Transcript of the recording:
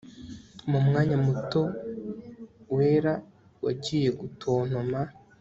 mumwanya muto wera wagiye gutontoma